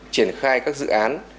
triển khai các dự án